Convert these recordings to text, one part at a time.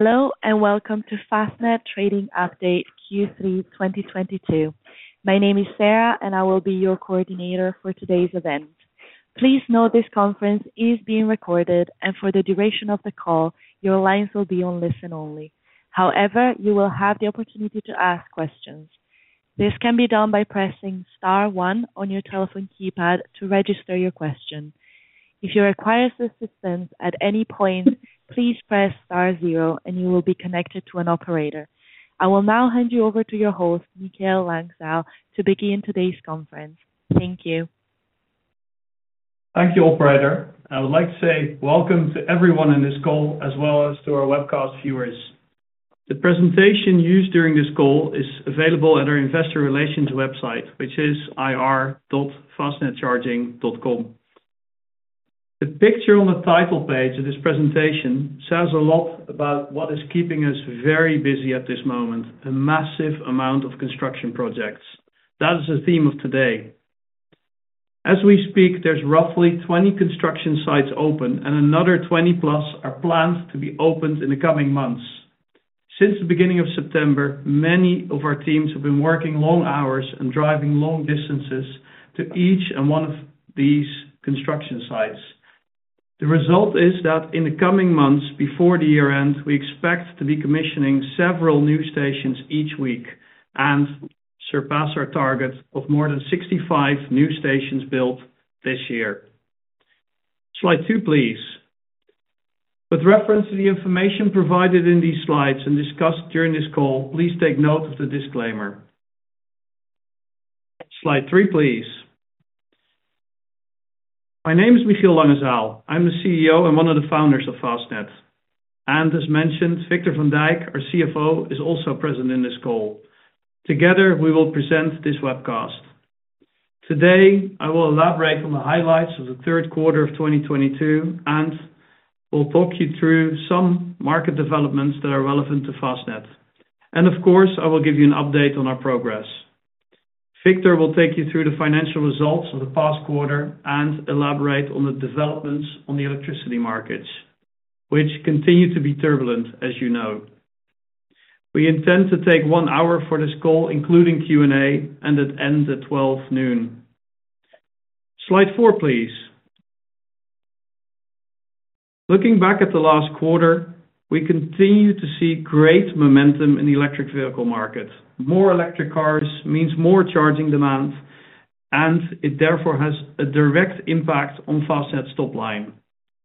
Hello, and welcome to Fastned Trading Update Q3 2022. My name is Sarah, and I will be your coordinator for today's event. Please note this conference is being recorded, and for the duration of the call, your lines will be on listen-only. However, you will have the opportunity to ask questions. This can be done by pressing star one on your telephone keypad to register your question. If you require assistance at any point, please press star zero and you will be connected to an operator. I will now hand you over to your host, Michiel Langezaal, to begin today's conference. Thank you. Thank you, operator. I would like to say welcome to everyone on this call, as well as to our webcast viewers. The presentation used during this call is available at our investor relations website, which is ir.fastnedcharging.com. The picture on the title page of this presentation says a lot about what is keeping us very busy at this moment, a massive amount of construction projects. That is the theme of today. As we speak, there's roughly 20 construction sites open and another 20+ are planned to be opened in the coming months. Since the beginning of September, many of our teams have been working long hours and driving long distances to each and one of these construction sites. The result is that in the coming months before the year ends, we expect to be commissioning several new stations each week and surpass our target of more than 65 new stations built this year. Slide two, please. With reference to the information provided in these slides and discussed during this call, please take note of the disclaimer. Slide three, please. My name is Michiel Langezaal. I'm the CEO and one of the founders of Fastned. As mentioned, Victor van Dijk, our CFO, is also present in this call. Together, we will present this webcast. Today, I will elaborate on the highlights of the Q3 of 2022, and we'll talk you through some market developments that are relevant to Fastned. Of course, I will give you an update on our progress. Victor will take you through the financial results of the past quarter and elaborate on the developments on the electricity markets, which continue to be turbulent, as you know. We intend to take 1 hour for this call, including Q&A, and it ends at 12:00 noon. Slide four, please. Looking back at the last quarter, we continue to see great momentum in the electric vehicle market. More electric cars means more charging demand, and it therefore has a direct impact on Fastned's top line.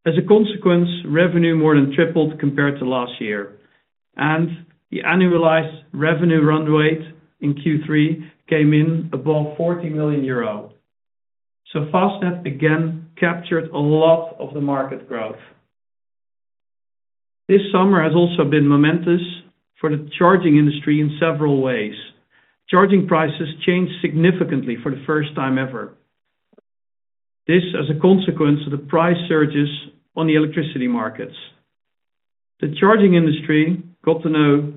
As a consequence, revenue more than tripled compared to last year, and the annualized revenue run rate in Q3 came in above 40 million euro. Fastned again captured a lot of the market growth. This summer has also been momentous for the charging industry in several ways. Charging prices changed significantly for the first time ever. This as a consequence of the price surges on the electricity markets. The charging industry got to know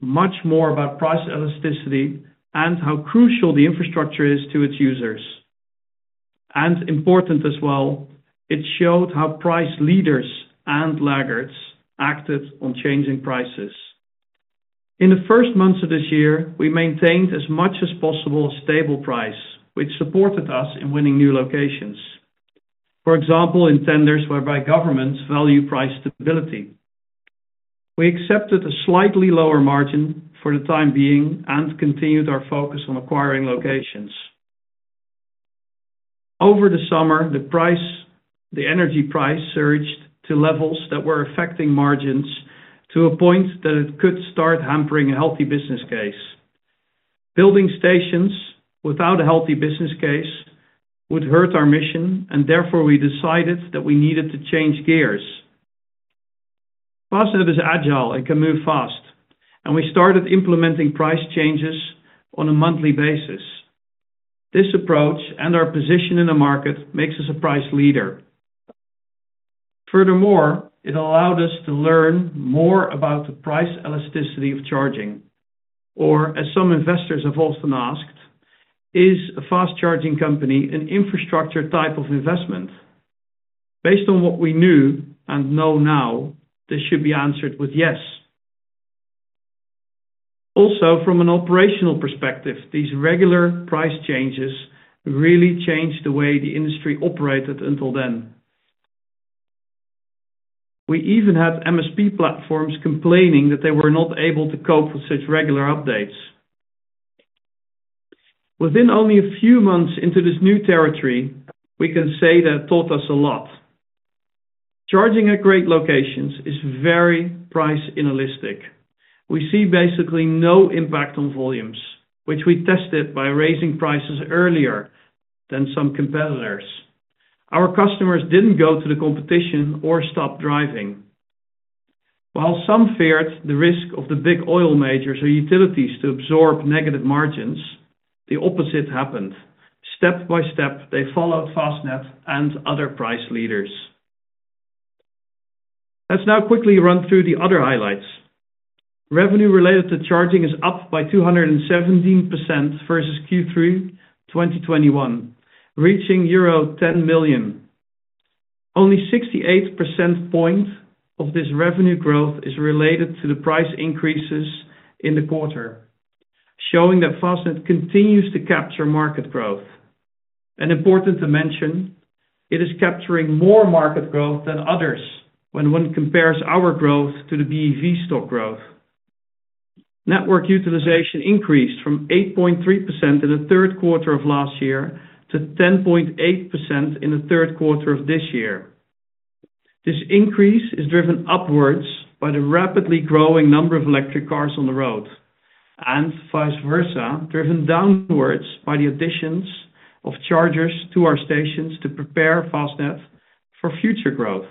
much more about price elasticity and how crucial the infrastructure is to its users. Important as well, it showed how price leaders and laggards acted on changing prices. In the first months of this year, we maintained as much as possible a stable price, which supported us in winning new locations. For example, in tenders whereby governments value price stability. We accepted a slightly lower margin for the time being and continued our focus on acquiring locations. Over the summer, the price, the energy price surged to levels that were affecting margins to a point that it could start hampering a healthy business case. Building stations without a healthy business case would hurt our mission, and therefore, we decided that we needed to change gears. Fastned is agile and can move fast, and we started implementing price changes on a monthly basis. This approach and our position in the market makes us a price leader. Furthermore, it allowed us to learn more about the price elasticity of charging, or as some investors have also asked, is a fast charging company an infrastructure type of investment? Based on what we knew and know now, this should be answered with yes. Also, from an operational perspective, these regular price changes really changed the way the industry operated until then. We even had MSP platforms complaining that they were not able to cope with such regular updates. Within only a few months into this new territory, we can say that taught us a lot. Charging at great locations is very price inelastic. We see basically no impact on volumes, which we tested by raising prices earlier than some competitors. Our customers didn't go to the competition or stop driving. While some feared the risk of the big oil majors or utilities to absorb negative margins, the opposite happened. Step by step, they followed Fastned and other price leaders. Let's now quickly run through the other highlights. Revenue related to charging is up by 217% versus Q3 2021, reaching euro 10 million. Only 68 percentage points of this revenue growth is related to the price increases in the quarter, showing that Fastned continues to capture market growth. Important to mention, it is capturing more market growth than others when one compares our growth to the BEV stock growth. Network utilization increased from 8.3% in the Q3 of last year to 10.8% in the Q3 of this year. This increase is driven upwards by the rapidly growing number of electric cars on the road, and vice versa, driven downwards by the additions of chargers to our stations to prepare Fastned for future growth.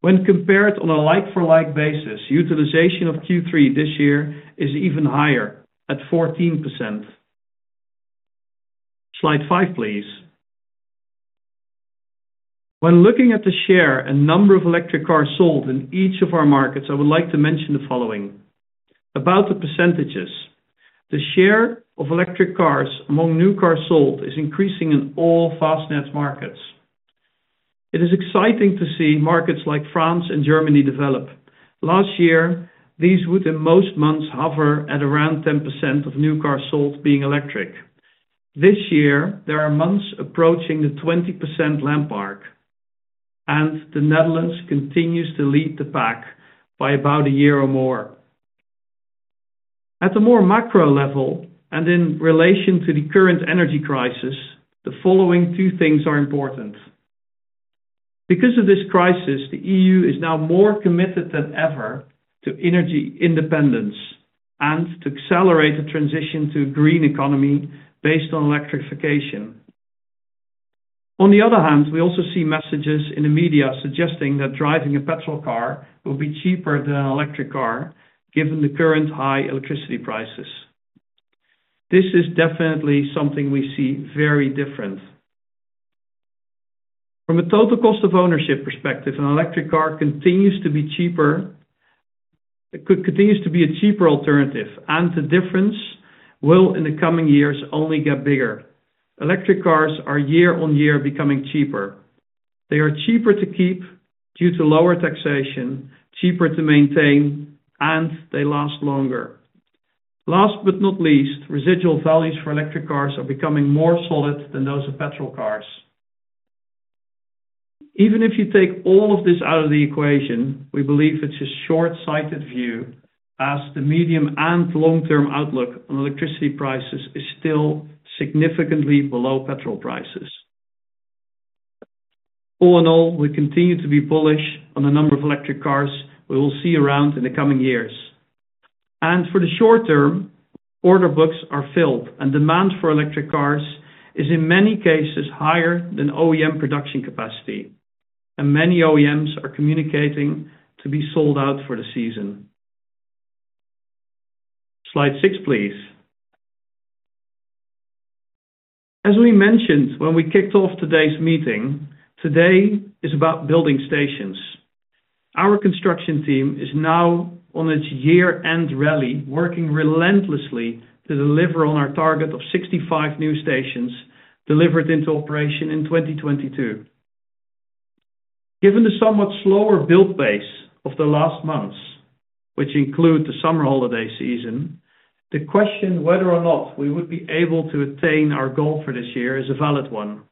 When compared on a like-for-like basis, utilization of Q3 this year is even higher at 14%. Slide five, please. When looking at the share and number of electric cars sold in each of our markets, I would like to mention the following. About the percentages, the share of electric cars among new cars sold is increasing in all Fastned's markets. It is exciting to see markets like France and Germany develop. Last year, these would in most months hover at around 10% of new cars sold being electric. This year, there are months approaching the 20% landmark, and the Netherlands continues to lead the pack by about a year or more. At a more macro level, and in relation to the current energy crisis, the following two things are important. Because of this crisis, the EU is now more committed than ever to energy independence and to accelerate the transition to green economy based on electrification. On the other hand, we also see messages in the media suggesting that driving a petrol car will be cheaper than an electric car, given the current high electricity prices. This is definitely something we see very different. From a total cost of ownership perspective, an electric car continues to be cheaper. Continues to be a cheaper alternative, and the difference will, in the coming years, only get bigger. Electric cars are year on year becoming cheaper. They are cheaper to keep due to lower taxation, cheaper to maintain, and they last longer. Last but not least, residual values for electric cars are becoming more solid than those of petrol cars. Even if you take all of this out of the equation, we believe it's a short-sighted view as the medium and long-term outlook on electricity prices is still significantly below petrol prices. All in all, we continue to be bullish on the number of electric cars we will see around in the coming years. For the short term, order books are filled and demand for electric cars is, in many cases, higher than OEM production capacity, and many OEMs are communicating to be sold out for the season. Slide six, please. As we mentioned when we kicked off today's meeting, today is about building stations. Our construction team is now on its year-end rally, working relentlessly to deliver on our target of 65 new stations delivered into operation in 2022. Given the somewhat slower build pace of the last months, which include the summer holiday season, the question whether or not we would be able to attain our goal for this year is a valid one.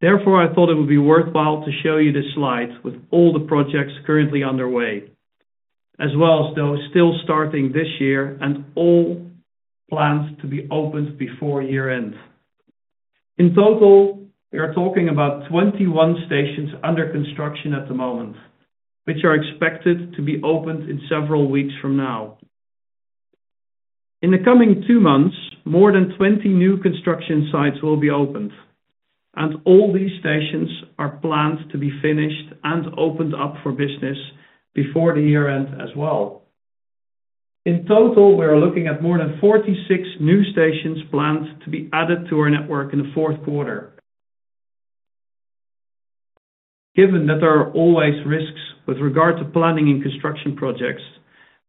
Therefore, I thought it would be worthwhile to show you this slide with all the projects currently underway, as well as those still starting this year and all plans to be opened before year-end. In total, we are talking about 21 stations under construction at the moment, which are expected to be opened in several weeks from now. In the coming two months, more than 20 new construction sites will be opened, and all these stations are planned to be finished and opened up for business before the year-end as well. In total, we are looking at more than 46 new stations planned to be added to our network in the Q4. Given that there are always risks with regard to planning and construction projects,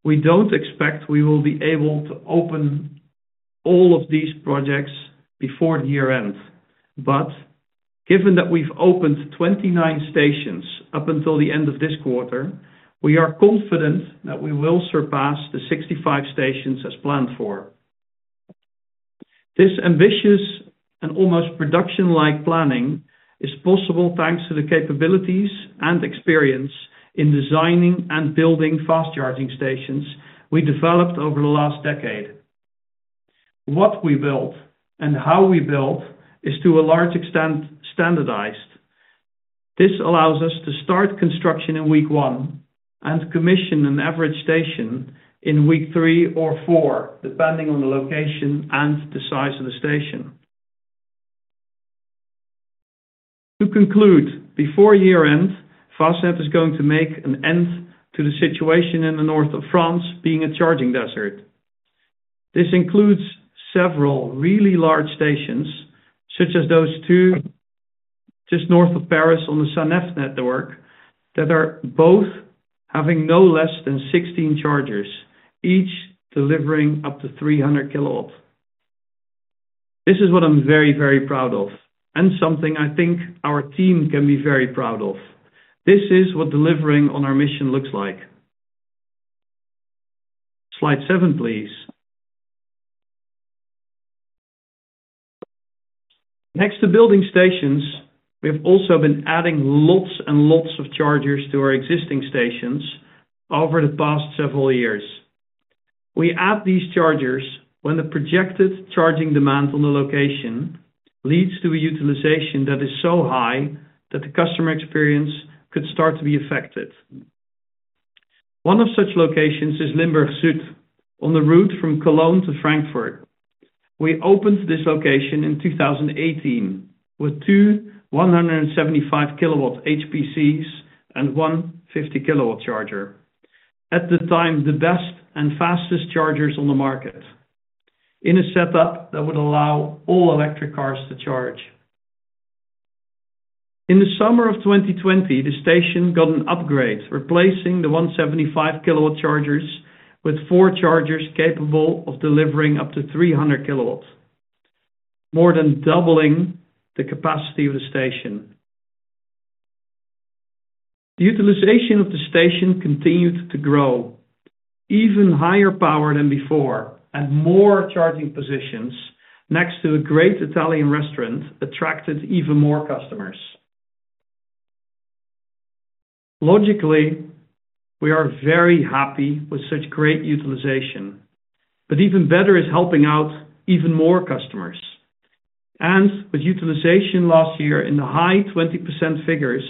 we don't expect we will be able to open all of these projects before the ends. But GIven that we've opened 29 stations up until the end of this quarter, we are confident that we will surpass the 65 stations as planned for. This ambitious and almost production-like planning is possible, thanks to the capabilities and experience in designing and building fast charging stations we developed over the last decade. What we build and how we build is to a large extent standardized. This allows us to start construction in week one and commission an average station in week three or four, depending on the location and the size of the station. To conclude, before year-end, Fastned is going to make an end to the situation in the north of France being a charging desert. This includes several really large stations, such as those two just north of Paris on the Sanef network that are both having no less than 16 chargers, each delivering up to 300 kW. This is what I'm very, very proud of, and something I think our team can be very proud of. This is what delivering on our mission looks like. Slide seven, please. Next to building stations, we have also been adding lots and lots of chargers to our existing stations over the past several years. We add these chargers when the projected charging demand on the location leads to a utilization that is so high that the customer experience could start to be affected. One of such locations is Limburg Zuid, on the route from Cologne to Frankfurt. We opened this location in 2018 with two 175 kW HPCs and one 50 kW charger. At the time, the best and fastest chargers on the market, in a setup that would allow all electric cars to charge. In the summer of 2020, the station got an upgrade, replacing the 175 kW chargers with four chargers capable of delivering up to 300 kW, more than doubling the capacity of the station. The utilization of the station continued to grow. Even higher power than before and more charging positions next to a great Italian restaurant attracted even more customers. Logically, we are very happy with such great utilization, but even better is helping out even more customers. With utilization last year in the high 20% figures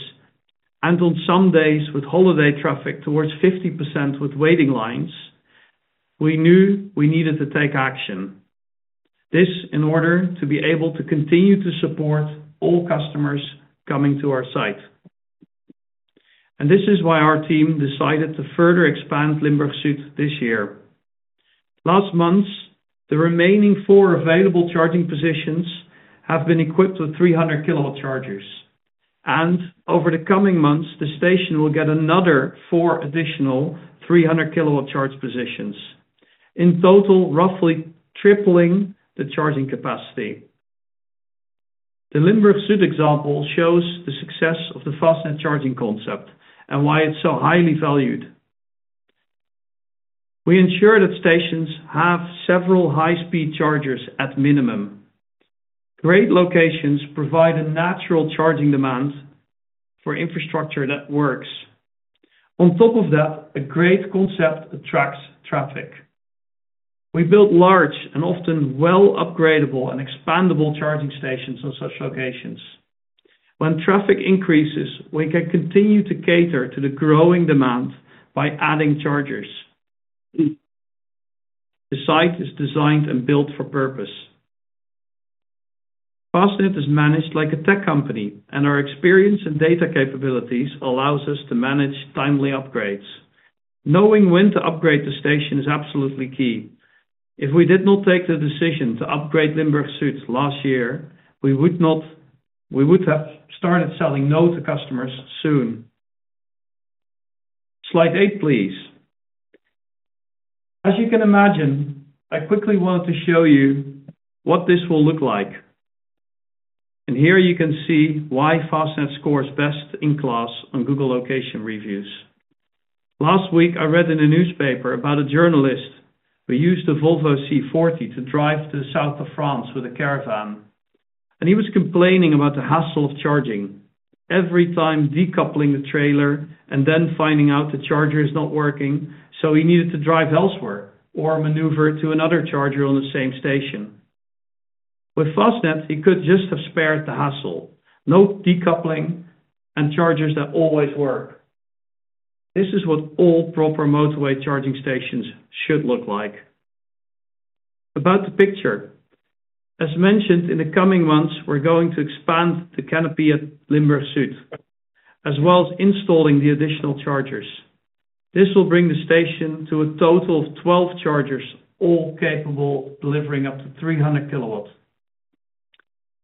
and on some days with holiday traffic towards 50% with waiting lines, we knew we needed to take action. This in order to be able to continue to support all customers coming to our site. This is why our team decided to further expand Limburg Zuid this year. Last month, the remaining four available charging positions have been equipped with 300-kW chargers. Over the coming months, the station will get another four additional 300-kW charging positions, in total, roughly tripling the charging capacity. The Limburg Zuid example shows the success of the Fastned charging concept and why it's so highly valued. We ensure that stations have several high-speed chargers at minimum. Great locations provide a natural charging demand for infrastructure that works. On top of that, a great concept attracts traffic. We build large and often well upgradable and expandable charging stations on such locations. When traffic increases, we can continue to cater to the growing demand by adding chargers. The site is designed and built for purpose. Fastned is managed like a tech company, and our experience and data capabilities allows us to manage timely upgrades. Knowing when to upgrade the station is absolutely key. If we did not take the decision to upgrade Limburg Zuid last year, we would have started saying no to customers soon. Slide eight, please. As you can imagine, I quickly wanted to show you what this will look like. Here you can see why Fastned scores best in class on Google location reviews. Last week, I read in a newspaper about a journalist who used a Volvo C40 to drive to the South of France with a caravan, and he was complaining about the hassle of charging. Every time decoupling the trailer and then finding out the charger is not working, so he needed to drive elsewhere or maneuver to another charger on the same station. With Fastned, he could just have spared the hassle. No decoupling and chargers that always work. This is what all proper motorway charging stations should look like. About the picture. As mentioned, in the coming months, we're going to expand the canopy at Limburg Zuid, as well as installing the additional chargers. This will bring the station to a total of 12 chargers, all capable of delivering up to 300 kW.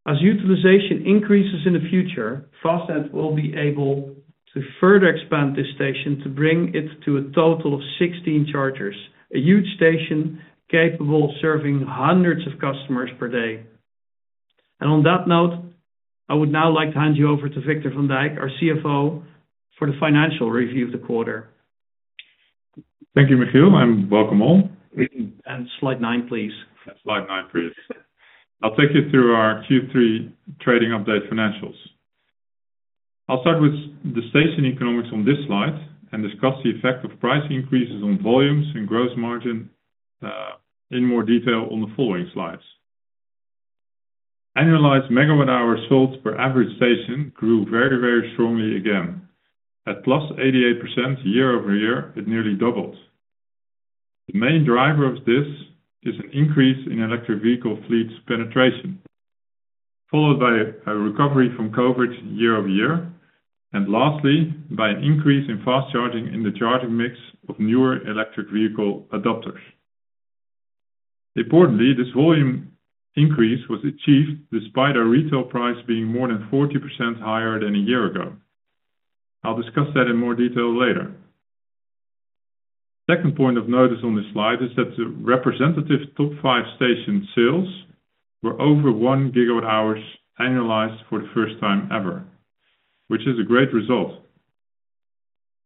As utilization increases in the future, Fastned will be able to further expand this station to bring it to a total of 16 chargers, a huge station capable of serving hundreds of customers per day. On that note, I would now like to hand you over to Victor van Dijk, our CFO, for the financial review of the quarter. Thank you, Michiel, and welcome all. Slide nine, please. Slide nine, please. I'll take you through our Q3 trading update financials. I'll start with the station economics on this slide and discuss the effect of price increases on volumes and gross margin in more detail on the following slides. Annualized megawatt-hour sold per average station grew very, very strongly again. At +88% year-over-year, it nearly doubled. The main driver of this is an increase in electric vehicle fleet penetration, followed by a recovery from COVID year-over-year, and lastly, by an increase in fast charging in the charging mix of newer electric vehicle adopters. Importantly, this volume increase was achieved despite our retail price being more than 40% higher than a year ago. I'll discuss that in more detail later. Second point of notice on this slide is that the representative top five station sales were over one GWh annualized for the first time ever, which is a great result.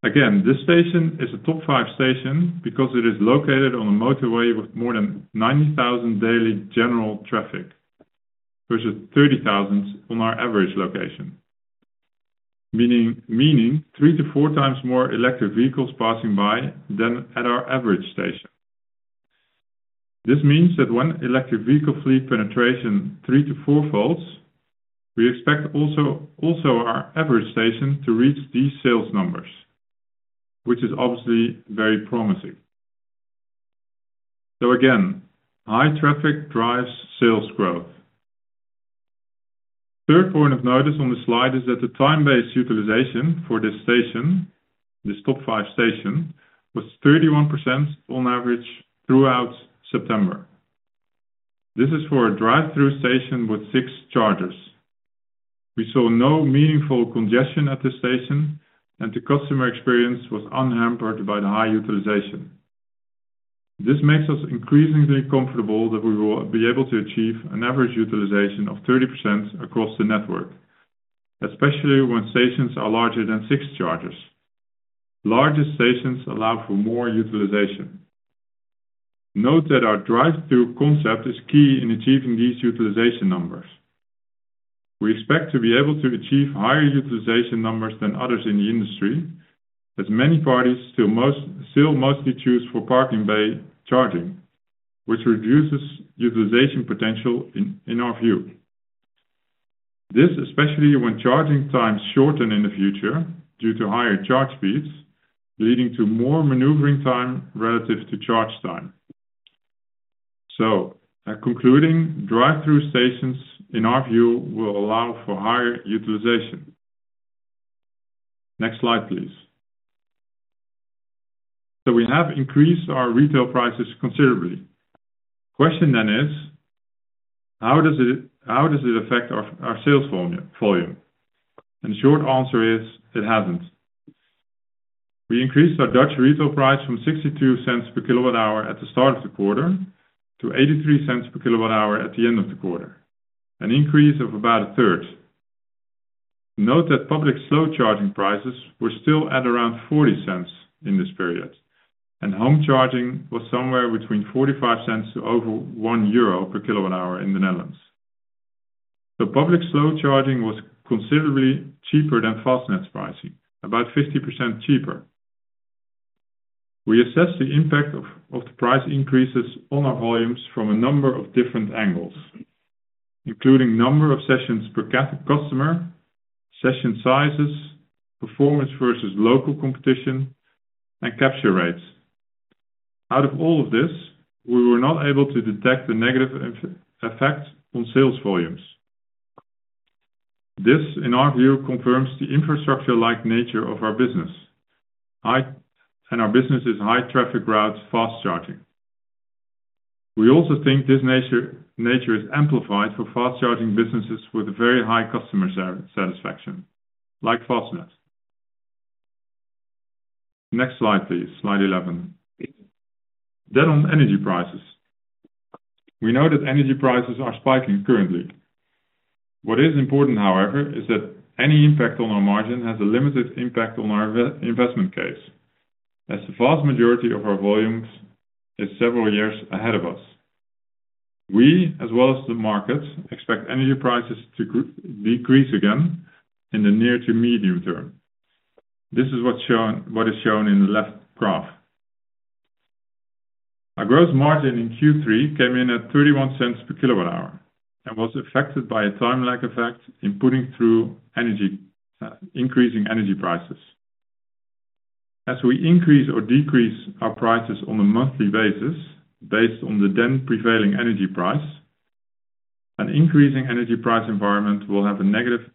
Again, this station is a top five station because it is located on a motorway with more than 90,000 daily general traffic versus 30,000 on our average location. Meaning three to four times more electric vehicles passing by than at our average station. This means that when electric vehicle fleet penetration three to four folds, we expect also our average station to reach these sales numbers, which is obviously very promising. Again, high traffic drives sales growth. Third point of notice on the slide is that the time-based utilization for this station, this top five station, was 31% on average throughout September. This is for a drive-through station with six chargers. We saw no meaningful congestion at the station and the customer experience was unhampered by the high utilization. This makes us increasingly comfortable that we will be able to achieve an average utilization of 30% across the network, especially when stations are larger than six chargers. Larger stations allow for more utilization. Note that our drive-through concept is key in achieving these utilization numbers. We expect to be able to achieve higher utilization numbers than others in the industry, as many parties still mostly choose for parking bay charging, which reduces utilization potential in our view. This especially when charging times shorten in the future due to higher charge speeds, leading to more maneuvering time relative to charge time. Concluding, drive-through stations, in our view, will allow for higher utilization. Next slide, please. We have increased our retail prices considerably. Question is, how does it affect our sales volume? The short answer is, it hasn't. We increased our Dutch retail price from 0.62 per kWh at the start of the quarter to 0.83 per kWh at the end of the quarter, an increase of about a third. Note that public slow charging prices were still at around 0.40 in this period, and home charging was somewhere between 0.45 to over 1 euro per kWh in the Netherlands. The public slow charging was considerably cheaper than Fastned's pricing, about 50% cheaper. We assess the impact of the price increases on our volumes from a number of different angles, including number of sessions per customer, session sizes, performance versus local competition, and capture rates. Out of all of this, we were not able to detect a negative effect on sales volumes. This, in our view, confirms the infrastructure-like nature of our business. Our business is high traffic routes fast charging. We also think this nature is amplified for fast charging businesses with very high customer satisfaction, like Fastned. Next slide, please. Slide eleven. On energy prices. We know that energy prices are spiking currently. What is important, however, is that any impact on our margin has a limited impact on our investment case, as the vast majority of our volumes is several years ahead of us. We, as well as the market, expect energy prices to decrease again in the near to medium term. This is what's shown in the left graph. Our gross margin in Q3 came in at 0.31 per kWh and was affected by a time lag effect in putting through energy, increasing energy prices. As we increase or decrease our prices on a monthly basis based on the then prevailing energy price, an increasing energy price environment will have a negative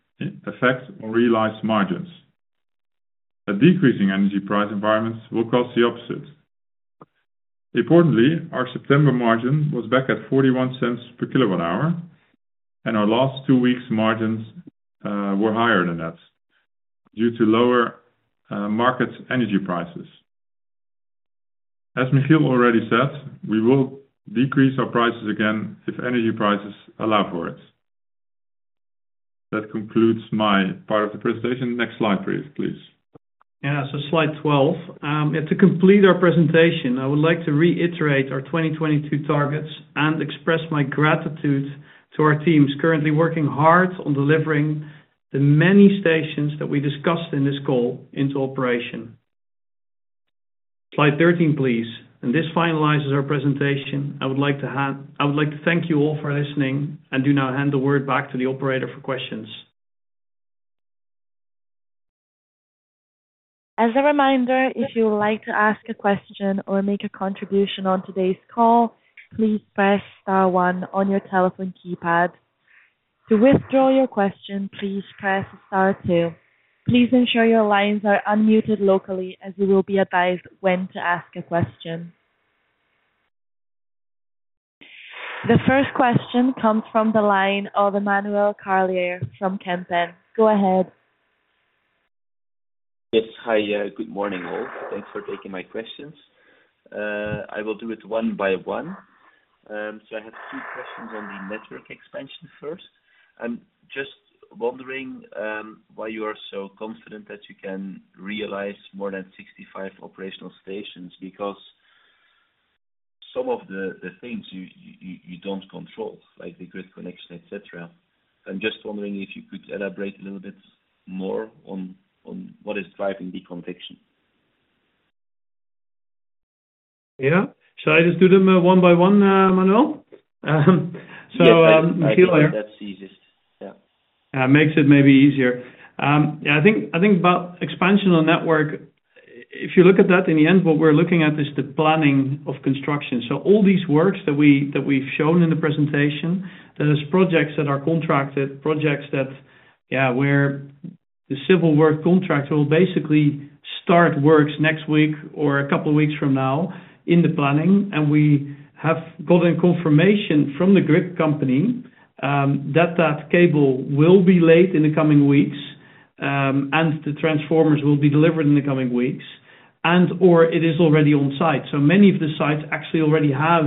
effect on realized margins. A decreasing energy price environment will cause the opposite. Importantly, our September margin was back at 0.41 per kWh, and our last two weeks margins were higher than that due to lower market energy prices. As Michiel already said, we will decrease our prices again if energy prices allow for it. That concludes my part of the presentation. Next slide, please. Yeah. Slide twelve. To complete our presentation, I would like to reiterate our 2022 targets and express my gratitude to our teams currently working hard on delivering the many stations that we discussed in this call into operation. Slide 13, please. This finalizes our presentation. I would like to thank you all for listening and now hand the word back to the operator for questions. As a reminder, if you would like to ask a question or make a contribution on today's call, please press star one on your telephone keypad. To withdraw your question, please press star two. Please ensure your lines are unmuted locally as you will be advised when to ask a question. The first question comes from the line of Emmanuel Carlier from Kempen. Go ahead. Yes. Hi. Good morning, all. Thanks for taking my questions. I will do it one by one. I have two questions on the network expansion first. I'm just wondering why you are so confident that you can realize more than 65 operational stations because some of the things you don't control, like the grid connection, et cetera. I'm just wondering if you could elaborate a little bit more on what is driving the conviction. Yeah. Shall I just do them one by one, Emmanuel? Yes, I think that's easiest. Yeah. Makes it maybe easier. Yeah, I think about expansion on network. If you look at that, in the end, what we're looking at is the planning of construction. All these works that we've shown in the presentation, that is projects that are contracted, projects that, yeah, where the civil work contract will basically start works next week or a couple of weeks from now in the planning. We have gotten confirmation from the grid company that that cable will be laid in the coming weeks, and the transformers will be delivered in the coming weeks, and/or it is already on site. Many of the sites actually already have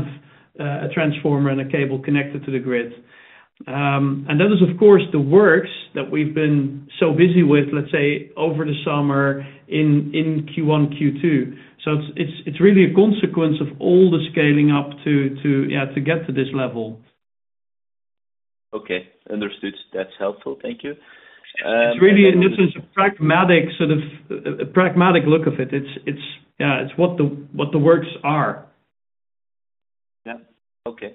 a transformer and a cable connected to the grid. That is, of course, the works that we've been so busy with, let's say, over the summer in Q1, Q2. It's really a consequence of all the scaling up to get to this level. Okay. Understood. That's helpful. Thank you. It's really in this sense, a pragmatic look of it. It's what the works are. Yeah. Okay.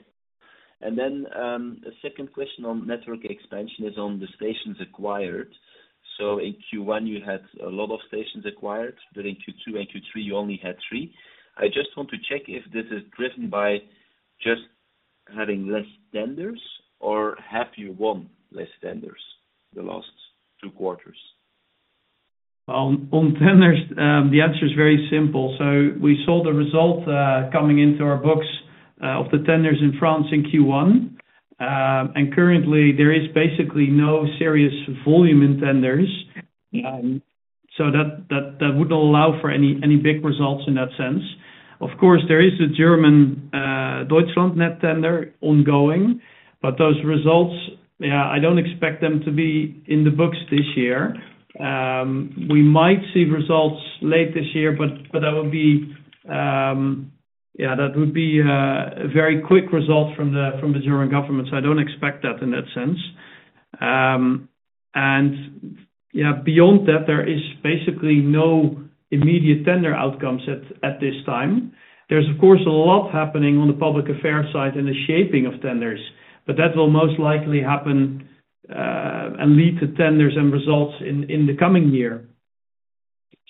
The second question on network expansion is on the stations acquired. In Q1, you had a lot of stations acquired, but in Q2 and Q3, you only had three. I just want to check if this is driven by just having less tenders, or have you won less tenders the last two quarters? On tenders, the answer is very simple. We saw the result coming into our books of the tenders in France in Q1. Currently, there is basically no serious volume in tenders. That wouldn't allow for any big results in that sense. Of course, there is a German Deutschlandnetz tender ongoing, but those results, yeah, I don't expect them to be in the books this year. We might see results late this year, but that would be yeah, that would be a very quick result from the German government. I don't expect that in that sense. Beyond that, there is basically no immediate tender outcomes at this time. There's of course a lot happening on the public affairs side and the shaping of tenders, but that will most likely happen and lead to tenders and results in the coming year.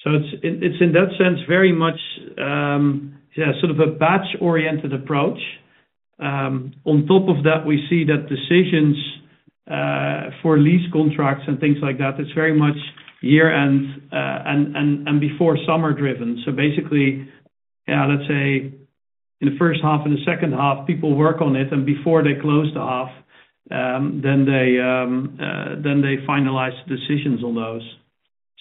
It's in that sense very much sort of a batch-oriented approach. On top of that, we see that decisions for lease contracts and things like that, it's very much year-end and before summer-driven. Basically, let's say in the H1 and the H2, people work on it, and before they close the half, then they finalize decisions on those.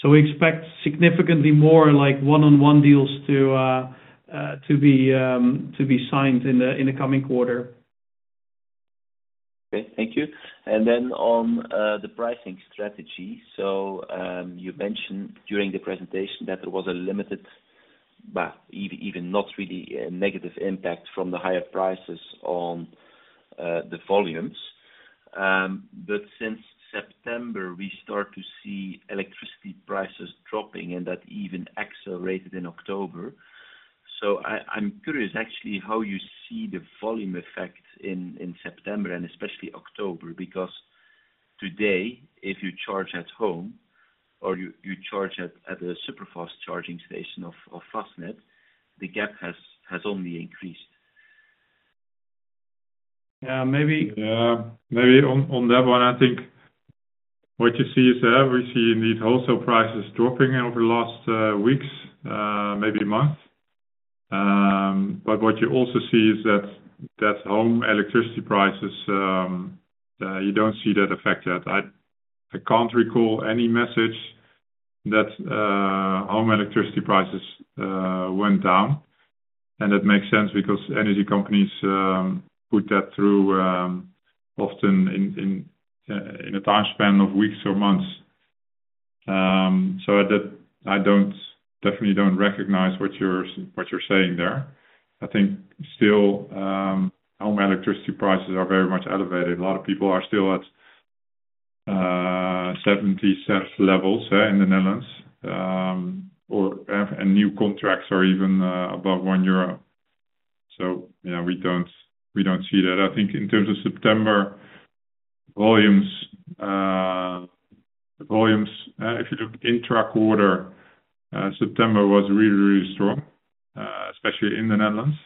We expect significantly more like one-on-one deals to be signed in the coming quarter. Okay. Thank you. On the pricing strategy. You mentioned during the presentation that there was a limited, but even not really a negative impact from the higher prices on the volumes. Since September, we start to see electricity prices dropping and that even accelerated in October. I'm curious actually how you see the volume effect in September and especially October, because today, if you charge at home or you charge at a super fast charging station of Fastned, the gap has only increased. Yeah, maybe on that one, I think what you see is we see indeed wholesale prices dropping over the last weeks, maybe months. But what you also see is that home electricity prices you don't see that effect yet. I can't recall any message that home electricity prices went down. It makes sense because energy companies put that through often in a time span of weeks or months. At that, I definitely don't recognize what you're saying there. I think still home electricity prices are very much elevated. A lot of people are still at 0.70 levels in the Netherlands, or and new contracts are even above 1 euro. You know, we don't see that. I think in terms of September volumes, if you look intra-quarter, September was really, really strong, especially in the Netherlands.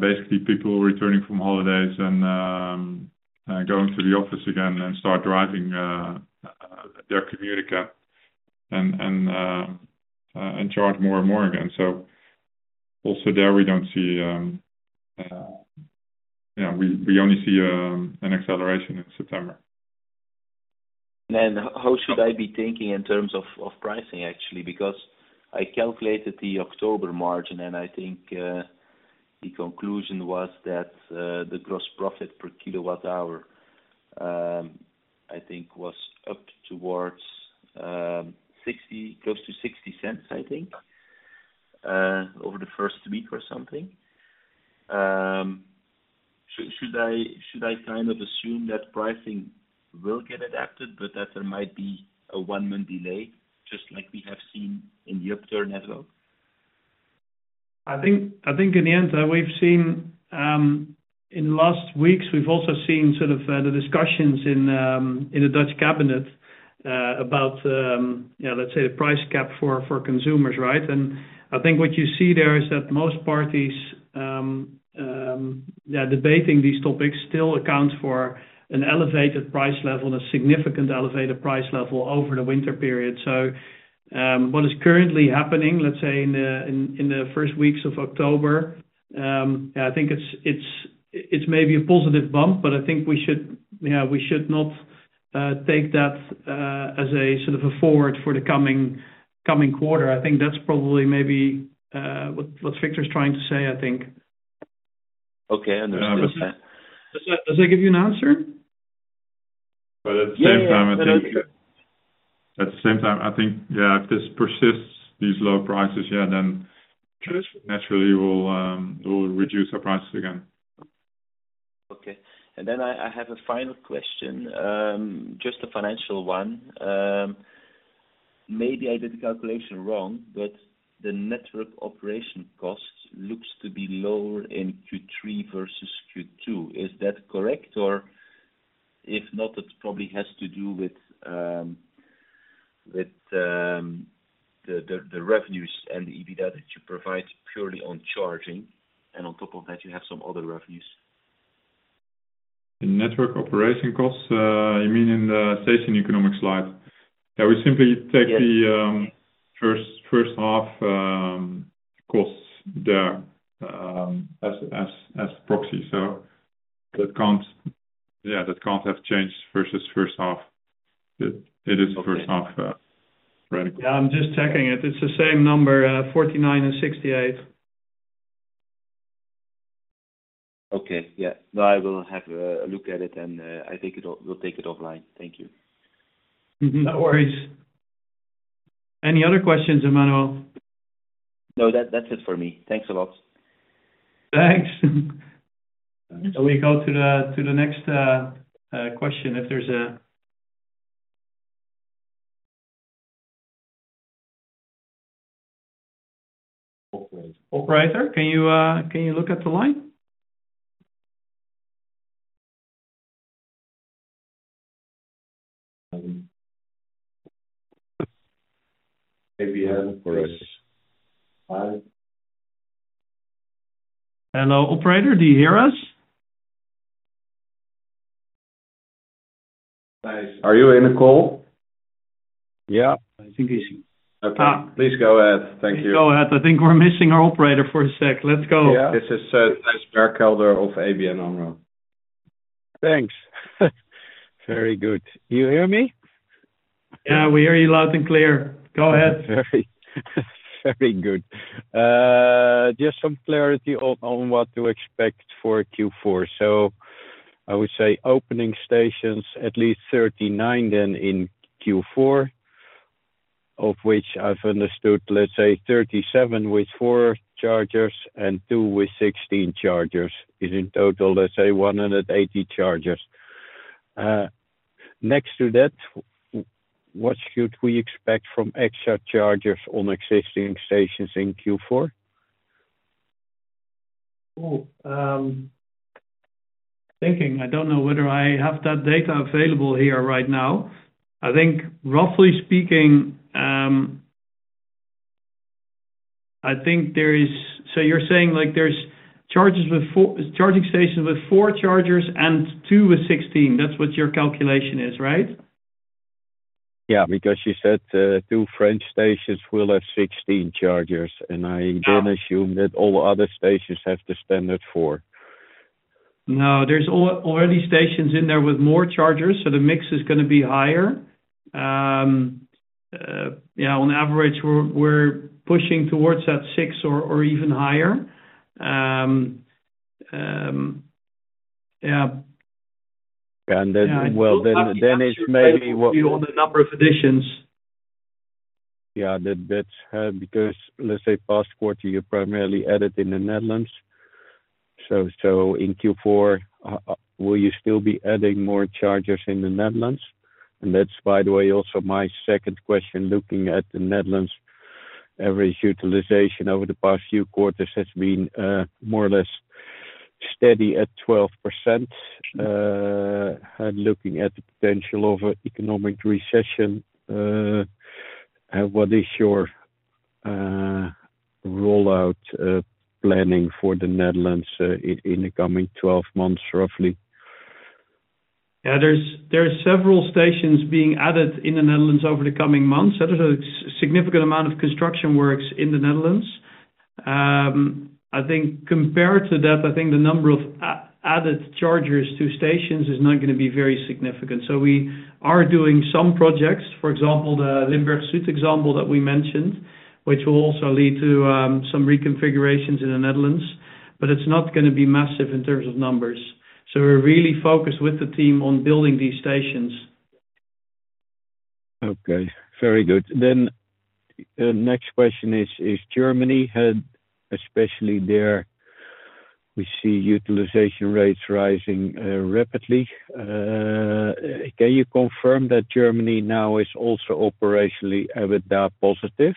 Basically people returning from holidays and going to the office again and start driving. Their community can and charge more and more again. Also there we don't see, you know, we only see an acceleration in September. How should I be thinking in terms of pricing actually? Because I calculated the October margin, and I think the conclusion was that the gross profit per kWh I think was up towards 60, close to 0.60, I think over the first week or something. Should I kind of assume that pricing will get adapted, but that there might be a one-month delay, just like we have seen in the upturn as well? I think in the end, we've seen in the last weeks, we've also seen sort of the discussions in the Dutch cabinet about you know, let's say the price cap for consumers, right? I think what you see there is that most parties debating these topics still accounts for an elevated price level and a significantly elevated price level over the winter period. What is currently happening, let's say in the first weeks of October, I think it's maybe a positive bump, but I think we should you know, we should not take that as a sort of a forward for the coming quarter. I think that's probably maybe what Victor's trying to say, I think. Okay. Understood. Does that give you an answer? At the same time, I think. Yeah, yeah. At the same time, I think, yeah, if this persists these low prices, yeah, then naturally we'll reduce our prices again. Okay. I have a final question, just a financial one. Maybe I did the calculation wrong, but the network operation costs looks to be lower in Q3 versus Q2. Is that correct? Or if not, it probably has to do with the revenues and the EBITDA that you provide purely on charging, and on top of that, you have some other revenues. The network operation costs, you mean in the station economic slide? Yeah, we simply take the, Yes. H1 costs there as proxy. That can't have changed versus H1. It is H1, right. Yeah. I'm just checking it. It's the same number, 49 and 68. Okay. Yeah. No, I will have a look at it, and I take it, we'll take it offline. Thank you. No worries. Any other questions, Emmanuel? No. That, that's it for me. Thanks a lot. Thanks. We go to the next question. Operator. Operator, can you look at the line? ABN for us. Hello, operator. Do you hear us? Are you in a call? Yeah. Okay. Please go ahead. Thank you. Please go ahead. I think we're missing our operator for a sec. Let's go. Yeah. This is Thijs Berkelder of ABN AMRO. Thanks. Very good. You hear me? Yeah. We hear you loud and clear. Go ahead. Very, very good. Just some clarity on what to expect for Q4. I would say opening stations at least 39 then in Q4, of which I've understood, let's say 37 with four chargers and two with 16 chargers, is in total, let's say 180 chargers. Next to that, what should we expect from extra chargers on existing stations in Q4? I don't know whether I have that data available here right now. I think roughly speaking, I think there is. You're saying, like, there's charging stations with four chargers and two with 16. That's what your calculation is, right? Yeah, because you said, two French stations will have 16 chargers. I then assume that all other stations have the standard four. No, there's already stations in there with more chargers, so the mix is gonna be higher. Yeah, on average, we're pushing towards that six or even higher. Yeah. Well, it's maybe what. On the number of additions. Yeah. That's because, let's say, last quarter, you primarily added in the Netherlands. In Q4, will you still be adding more chargers in the Netherlands? That's, by the way, also my second question. Looking at the Netherlands, average utilization over the past few quarters has been more or less steady at 12%. Looking at the potential of economic recession, what is your rollout planning for the Netherlands in the coming 12 months, roughly? Yeah. There's several stations being added in the Netherlands over the coming months. There's a significant amount of construction works in the Netherlands. I think compared to that, I think the number of added chargers to stations is not gonna be very significant. We are doing some projects, for example, the Limburg Zuid example that we mentioned, which will also lead to some reconfigurations in the Netherlands, but it's not gonna be massive in terms of numbers. We're really focused with the team on building these stations. Okay, very good. Next question is in Germany, especially there, we see utilization rates rising rapidly. Can you confirm that Germany now is also operationally EBITDA positive?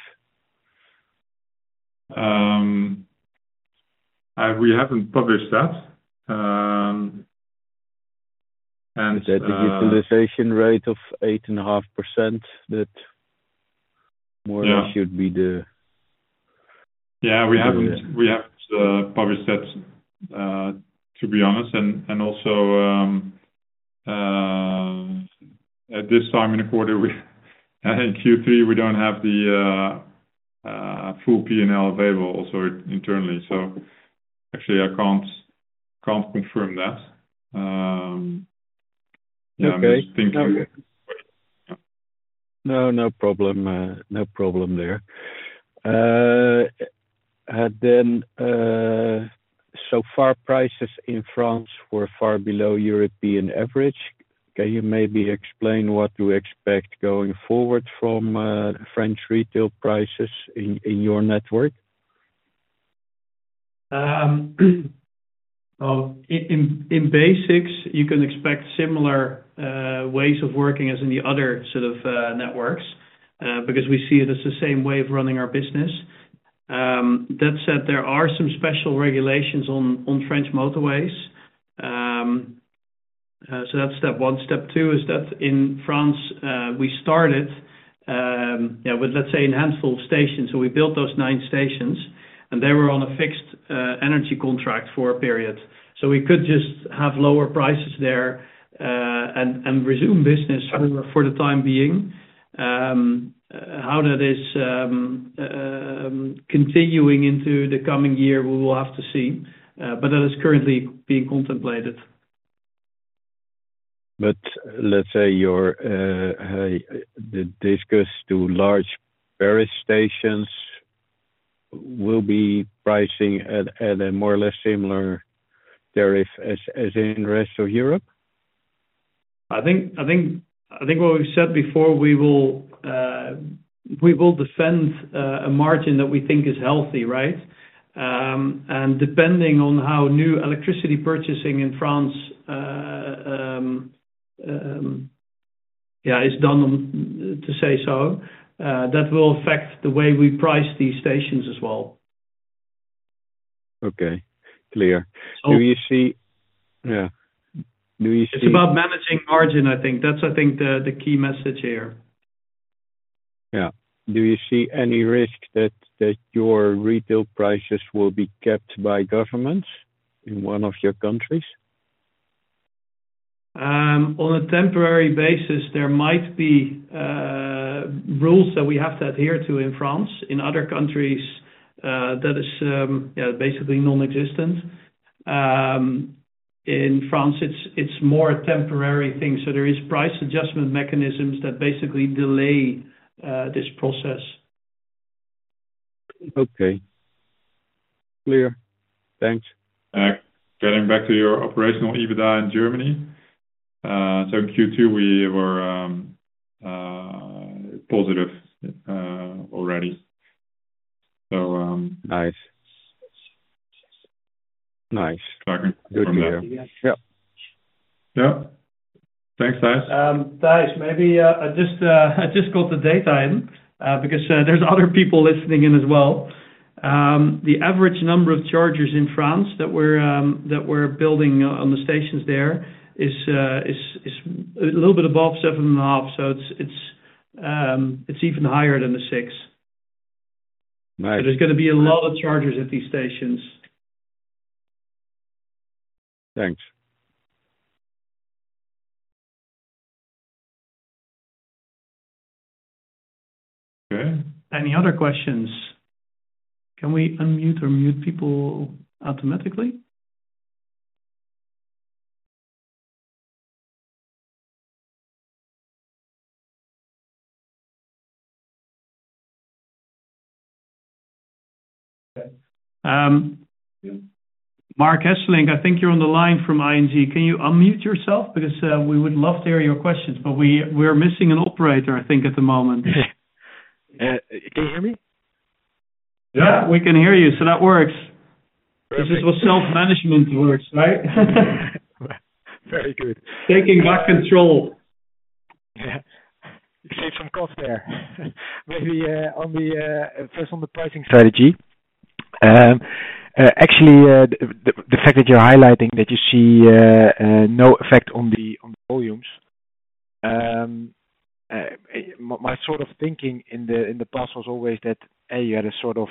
We haven't published that, and You said the utilization rate of 8.5% that Yeah. -more or less should be the- Yeah. We haven't published that, to be honest. At this time in the quarter, in Q3, we don't have the full P&L available also internally. Actually, I can't confirm that. Yeah, I'm just thinking. Okay. No problem there. So far prices in France were far below European average. Can you maybe explain what you expect going forward from French retail prices in your network? Well, in basics, you can expect similar ways of working as in the other set of networks, because we see it as the same way of running our business. That said, there are some special regulations on French motorways. That's step one. Step two is that in France, we started with, let's say, a handful of stations. We built those nine stations and they were on a fixed energy contract for a period. We could just have lower prices there, and resume business for the time being. How that is continuing into the coming year, we will have to see. That is currently being contemplated. Let's say large Paris stations will be pricing at a more or less similar tariff as in rest of Europe. I think what we've said before, we will defend a margin that we think is healthy, right? Depending on how new electricity purchasing in France is done, that will affect the way we price these stations as well. Okay. Clear. So- Yeah. Do you see? It's about managing margin, I think. That's, I think, the key message here. Yeah. Do you see any risk that your retail prices will be capped by governments in one of your countries? On a temporary basis, there might be rules that we have to adhere to in France. In other countries, that is basically non-existent. In France, it's more a temporary thing. There is price adjustment mechanisms that basically delay this process. Okay. Clear. Thanks. Getting back to your operational EBITDA in Germany. In Q2 we were positive already. Nice. I can from there. Good to hear. Yeah. Yeah. Thanks, Thijs. Thijs, maybe I just got the data in because there's other people listening in as well. The average number of chargers in France that we're building on the stations there is a little bit above 7.5. It's even higher than the six. Nice. There's gonna be a lot of chargers at these stations. Thanks. Okay. Any other questions? Can we unmute or mute people automatically? Marc Hesselink, I think you're on the line from ING. Can you unmute yourself? Because, we would love to hear your questions, but we're missing an operator, I think, at the moment. Can you hear me? Yeah, we can hear you. That works. Perfect. This is what self-management works, right? Very good. Taking back control. Yeah. Save some cost there. Maybe, first, on the pricing strategy. Actually, the fact that you're highlighting that you see no effect on the volumes. My sort of thinking in the past was always that A, you had a sort of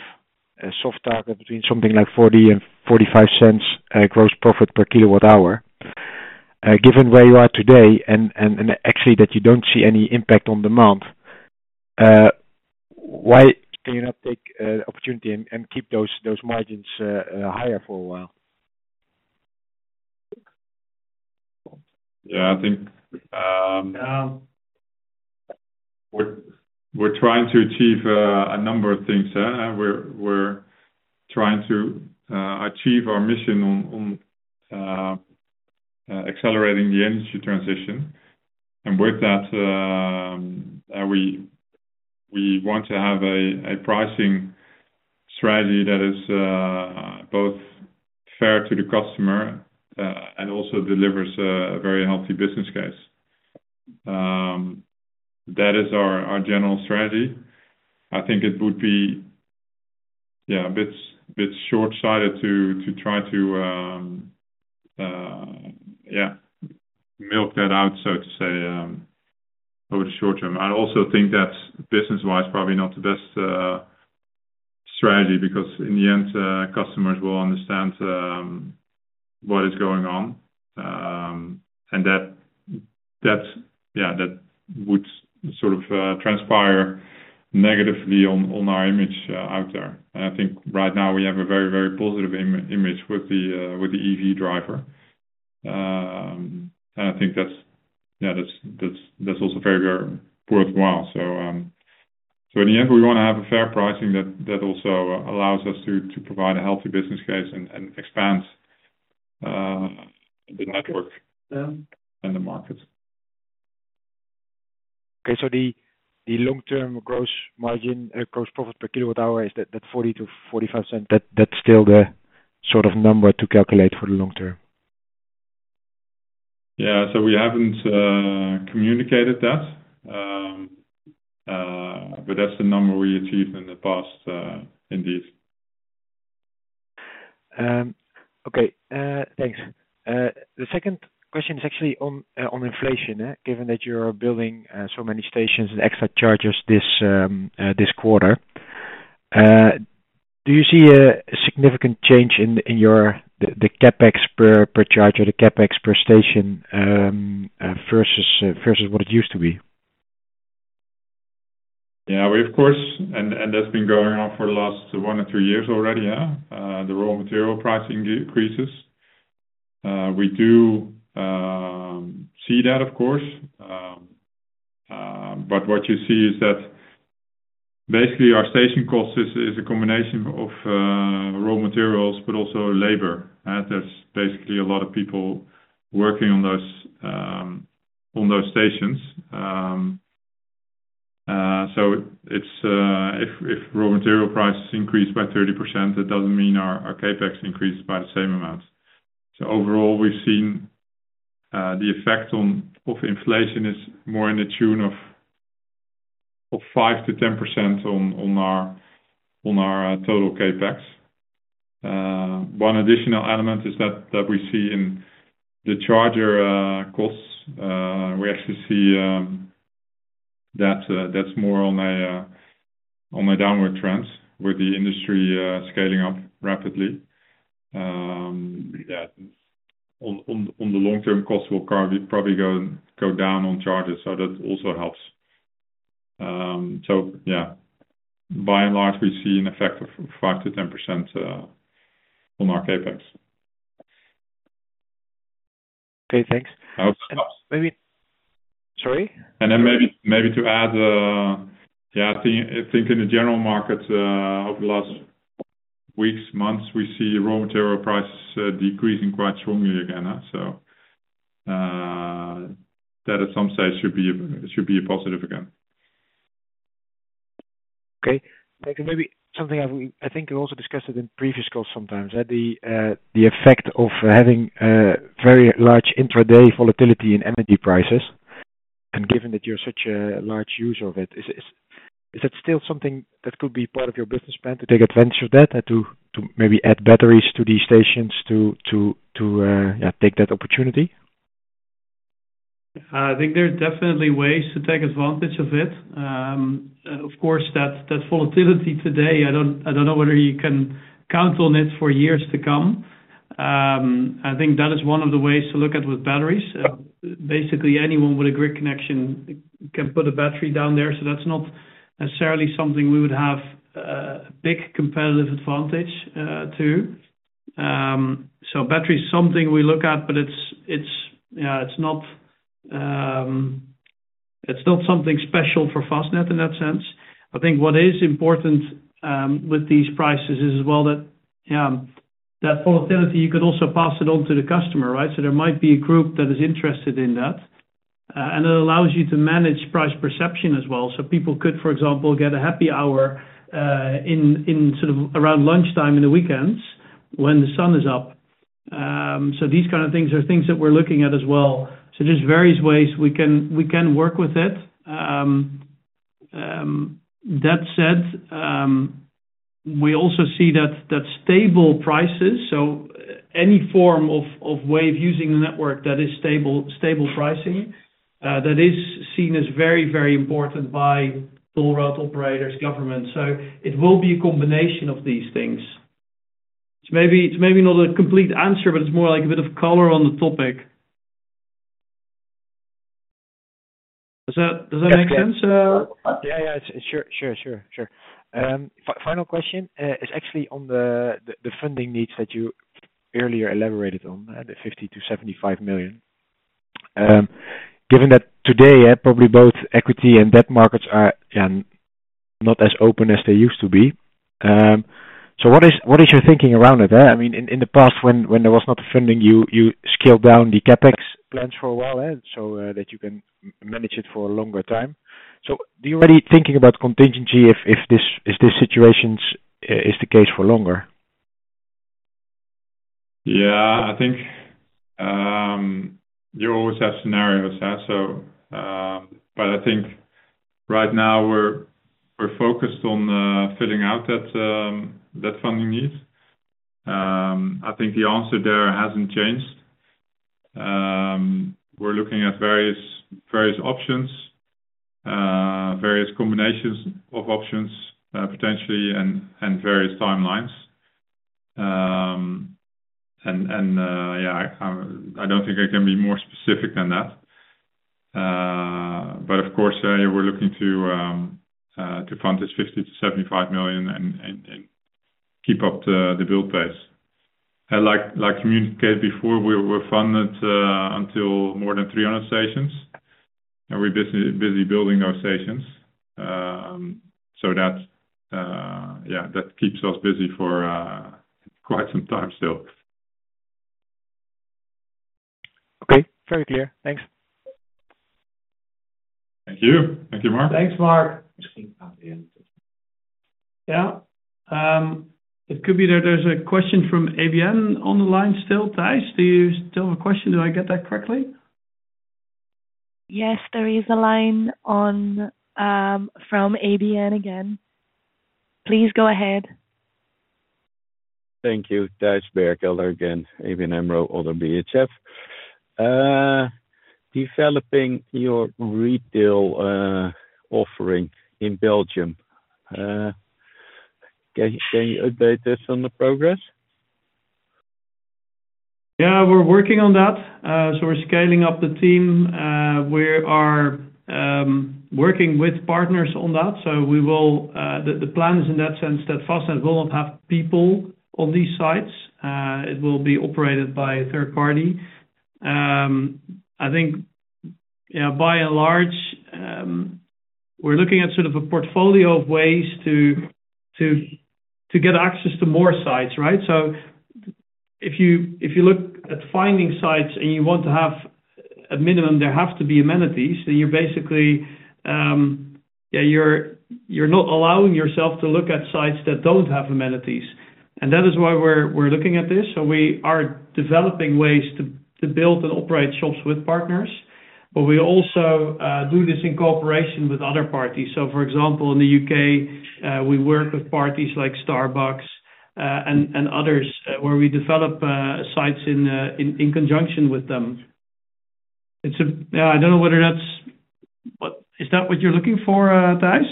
a soft target between something like 0.40-0.45 gross profit per kilowatt hour. Given where you are today and actually that you don't see any impact on demand, why can you not take the opportunity and keep those margins higher for a while? Yeah, I think we're trying to achieve a number of things. We're trying to achieve our mission on accelerating the industry transition. With that, we want to have a pricing strategy that is both fair to the customer and also delivers a very healthy business case. That is our general strategy. I think it would be a bit short-sighted to try to milk that out, so to say, over the short term. I also think that business-wise, probably not the best strategy, because in the end, customers will understand what is going on and that would sort of transpire negatively on our image out there. I think right now we have a very, very positive image with the EV driver. I think that's also very, very worthwhile. In the end, we wanna have a fair pricing that also allows us to provide a healthy business case and expands the network. Yeah. The market. Okay. The long-term gross margin, gross profit per kWh, is that $0.40-$0.45, that's still the sort of number to calculate for the long term? Yeah. We haven't communicated that. That's the number we achieved in the past, indeed. Okay. Thanks. The second question is actually on inflation, given that you're building so many stations and extra chargers this quarter. Do you see a significant change in the CapEx per charge or the CapEx per station versus what it used to be? That's been going on for the last one to three years already. The raw material pricing decreases. We see that, of course. What you see is that basically our station cost is a combination of raw materials, but also labor. There's basically a lot of people working on those stations. If raw material prices increase by 30%, that doesn't mean our CapEx increases by the same amount. Overall, we've seen the effect of inflation is to the tune of 5%-10% on our total CapEx. One additional element is that we see in the charger costs. We actually see that that's more of a downward trend with the industry scaling up rapidly. Yeah. In the long term costs will probably go down on charging, so that also helps. Yeah, by and large, we see an effect of 5%-10% on our CapEx. Okay, thanks. No worries. Maybe. Sorry? Maybe to add, yeah, I think in the general markets, over the last weeks, months, we see raw material prices decreasing quite strongly again, so that at some stage should be a positive again. Okay. Thank you. Maybe something I've, I think we also discussed it in previous calls sometimes. The effect of having very large intraday volatility in energy prices, and given that you're such a large user of it, is it still something that could be part of your business plan to take advantage of that? To maybe add batteries to these stations to take that opportunity? I think there are definitely ways to take advantage of it. Of course that volatility today, I don't know whether you can count on it for years to come. I think that is one of the ways to look at with batteries. Basically anyone with a grid connection can put a battery down there, so that's not necessarily something we would have a big competitive advantage to. Battery is something we look at, but it's not something special for Fastned in that sense. I think what is important with these prices is as well that that volatility you could also pass it on to the customer, right? There might be a group that is interested in that. It allows you to manage price perception as well. People could, for example, get a happy hour in sort of around lunchtime in the weekends when the sun is up. These kind of things are things that we're looking at as well. There's various ways we can work with it. That said, we also see that stable prices, so any form of way of using a network that is stable pricing that is seen as very, very important by toll road operators, government. It will be a combination of these things. It's maybe not a complete answer, but it's more like a bit of color on the topic. Does that make sense? Yeah. Sure. Final question is actually on the funding needs that you earlier elaborated on, the 50 million-75 million. Given that today, probably both equity and debt markets are not as open as they used to be. What is your thinking around it? I mean, in the past when there was not funding, you scaled down the CapEx plans for a while, so that you can manage it for a longer time. Do you already thinking about contingency if this situation is the case for longer? Yeah. I think you always have scenarios. But I think right now we're focused on filling out that funding need. I think the answer there hasn't changed. We're looking at various options, various combinations of options, potentially, and various timelines. Yeah, I don't think I can be more specific than that. Of course, we're looking to fund this 50 million-75 million and keep up the build pace. Like communicated before, we're funded until more than 300 stations, and we're busy building those stations. That yeah, that keeps us busy for quite some time still. Okay. Very clear. Thanks. Thank you. Thank you, Marc. Thanks, Marc. Yeah. It could be that there's a question from ABN on the line still. Thijs, do you still have a question? Do I get that correctly? Yes, there is a line open from ABN again. Please go ahead. Thank you. Thijs Berkelder, ABN AMRO, ODDO BHF. Developing your retail offering in Belgium, can you update us on the progress? Yeah, we're working on that. We're scaling up the team. We are working with partners on that. The plan is in that sense that Fastned will not have people on these sites. It will be operated by a third party. I think, by and large, we're looking at sort of a portfolio of ways to get access to more sites, right? If you look at finding sites and you want to have a minimum, there have to be amenities, then you're basically not allowing yourself to look at sites that don't have amenities. That is why we're looking at this. We are developing ways to build and operate shops with partners. We also do this in cooperation with other parties. For example, in the U.K., we work with parties like Starbucks, and others, where we develop sites in conjunction with them. Yeah, I don't know whether that's what you're looking for, Thijs?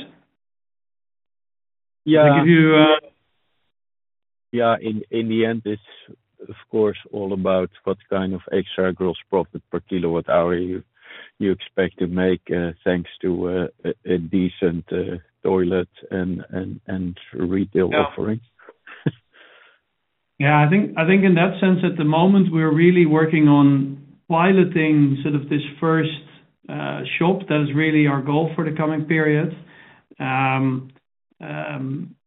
Yeah. To give you. Yeah. In the end, it's of course all about what kind of extra gross profit per kWh you expect to make, thanks to a decent toilet and retail offering. Yeah. I think in that sense, at the moment, we're really working on piloting sort of this first shop. That is really our goal for the coming period.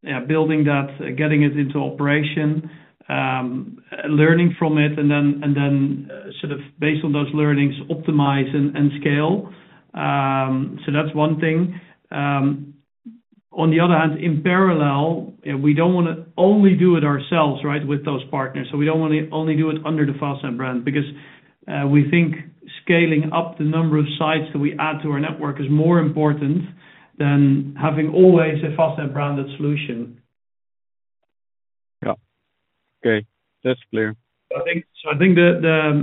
Yeah, building that, getting it into operation, learning from it, and then sort of based on those learnings, optimize and scale. That's one thing. On the other hand, in parallel, we don't wanna only do it ourselves, right? with those partners. We don't wanna only do it under the Fastned brand because we think scaling up the number of sites that we add to our network is more important than having always a Fastned-branded solution. Yeah. Okay. That's clear. I think the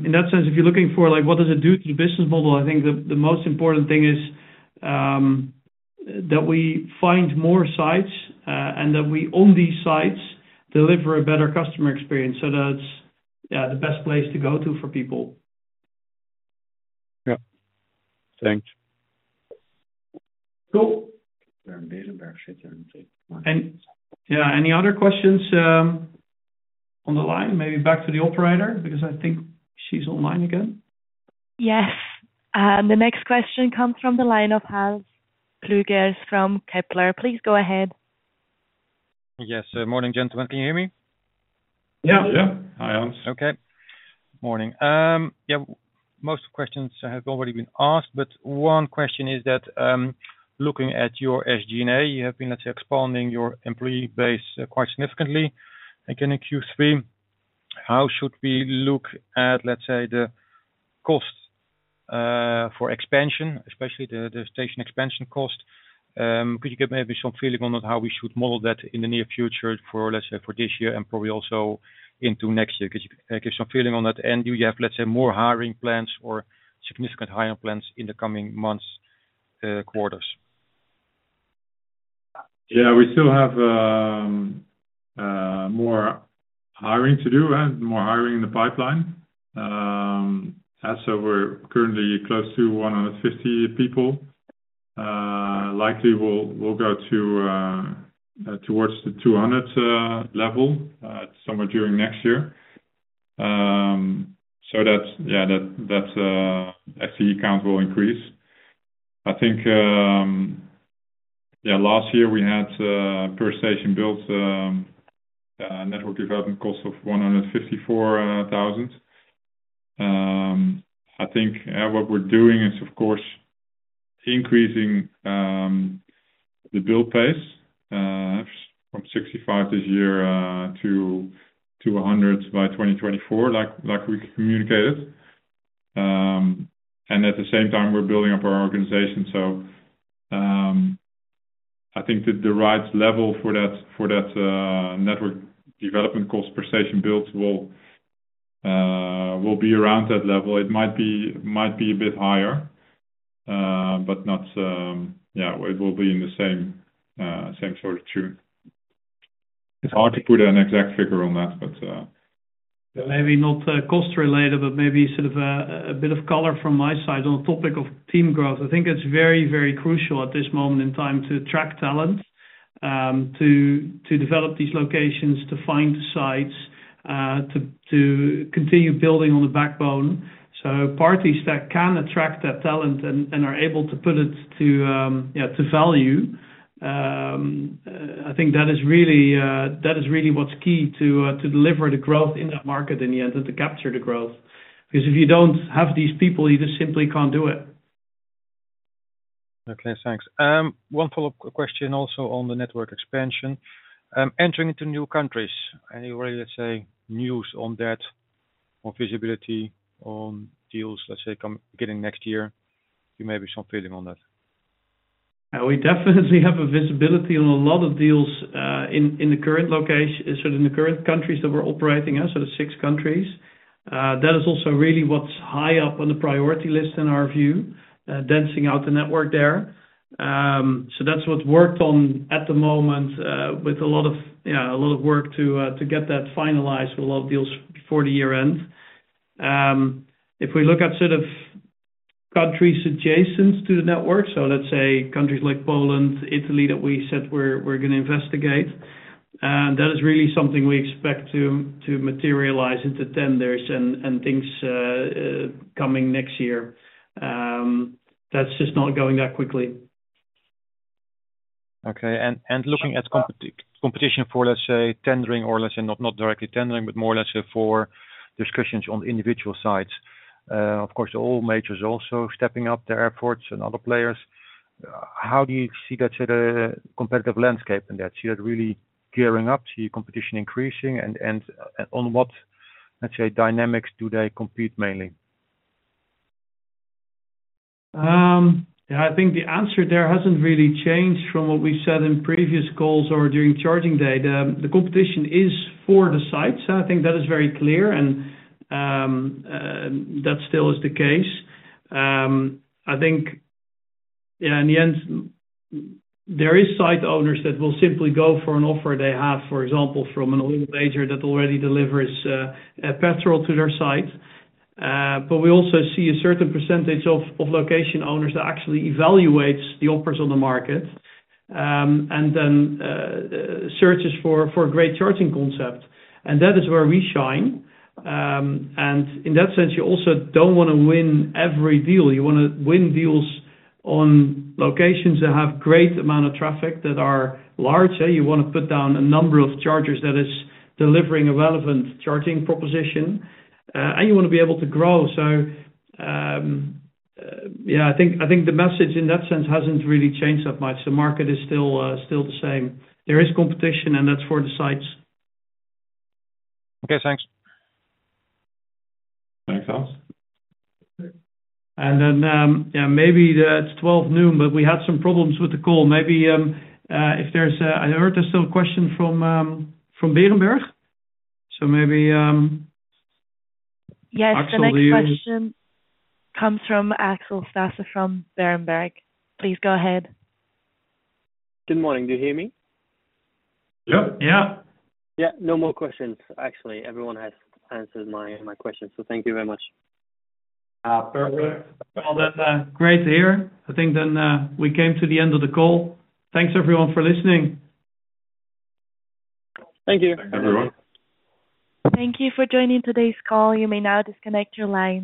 in that sense, if you're looking for, like, what does it do to the business model? I think the most important thing is that we find more sites and that we own these sites, deliver a better customer experience so that's yeah the best place to go to for people. Yeah. Thanks. Cool. Yeah, any other questions on the line? Maybe back to the operator, because I think she's online again. Yes. The next question comes from the line of Hans Pluijgers from Kepler Cheuvreux. Please go ahead. Yes. Morning, gentlemen. Can you hear me? Yeah. Yeah. Hi, Hans. Okay, morning. Yeah, most questions have already been asked, but one question is that, looking at your SG&A, you have been expanding your employee base quite significantly. Again, in Q3, how should we look at, let's say, the cost for expansion, especially the station expansion cost? Could you give maybe some feeling on how we should model that in the near future for, let's say, for this year and probably also into next year? Could you give some feeling on that? Do you have, let's say, more hiring plans or significant hiring plans in the coming months, quarters? Yeah. We still have more hiring to do and more hiring in the pipeline. We're currently close to 150 people. Likely, we'll go towards the 200 level somewhere during next year. Yeah, that's headcount will increase. I think, yeah, last year we had per station built network development cost of 154 thousand. I think what we're doing is, of course, increasing the build pace from 65 this year to 100 by 2024, like we communicated. At the same time, we're building up our organization. I think that the right level for that network development cost per station built will be around that level. It might be a bit higher, but not yeah, it will be in the same sort of tune. It's hard to put an exact figure on that, but. Maybe not cost related, but maybe sort of a bit of color from my side on the topic of team growth. I think it's very, very crucial at this moment in time to attract talent, to develop these locations, to find sites, to continue building on the backbone. Parties that can attract that talent and are able to put it to, yeah, to value. I think that is really what's key to deliver the growth in that market, in the end, to capture the growth. Because if you don't have these people, you just simply can't do it. Okay, thanks. One follow-up question also on the network expansion. Entering into new countries, anyway, let's say, news on that or visibility on deals, let's say, coming next year? Give maybe some feeling on that. We definitely have a visibility on a lot of deals in the current countries that we're operating in, so the six countries. That is also really what's high up on the priority list in our view, expanding out the network there. So that's what's worked on at the moment, with a lot of work to get that finalized with a lot of deals before the year end. If we look at sort of countries adjacent to the network, so let's say countries like Poland, Italy, that we said we're gonna investigate, that is really something we expect to materialize into tenders and things coming next year. That's just not going that quickly. Looking at competition for, let's say, tendering or let's say not directly tendering, but more or less for discussions on individual sites. Of course, all majors also stepping up their efforts and other players. How do you see the competitive landscape and that you're really gearing up to your competition increasing and on what, let's say, dynamics do they compete mainly? I think the answer there hasn't really changed from what we said in previous calls or during Charging Day. The competition is for the sites. I think that is very clear and that still is the case. I think, yeah, in the end, there is site owners that will simply go for an offer they have, for example, from an oil major that already delivers, petrol to their site. But we also see a certain percentage of location owners that actually evaluates the offers on the market, and then, searches for great charging concept. That is where we shine. In that sense, you also don't wanna win every deal. You wanna win deals on locations that have great amount of traffic that are large. You wanna put down a number of chargers that is delivering a relevant charging proposition, and you wanna be able to grow. Yeah, I think the message in that sense hasn't really changed that much. The market is still the same. There is competition, and that's for the sites. Okay, thanks. Thanks, Hans. Maybe it's 12:00 noon, but we had some problems with the call. I heard there's still a question from Berenberg. Yes. Axel, do you- The next question comes from Axel Stasse from Berenberg. Please go ahead. Good morning. Do you hear me? Yep. Yeah. Yeah. No more questions, actually. Everyone has answered my question. Thank you very much. Perfect. Well, then, great to hear. I think then, we came to the end of the call. Thanks, everyone, for listening. Thank you. Thank you, everyone. Thank you for joining today's call. You may now disconnect your line.